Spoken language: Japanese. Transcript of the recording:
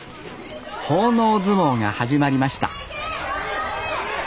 奉納相撲が始まりました